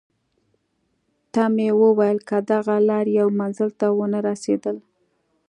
ته مې وویل: که دغه لار یو منزل ته ونه رسېدل.